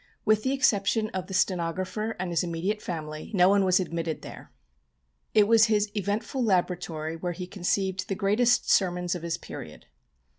With the exception of the stenographer and his immediate family no one was admitted there. It was his eventful laboratory where he conceived the greatest sermons of his period.